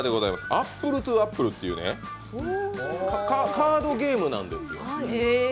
アップルトゥアップルっていうカードゲームなんですよ。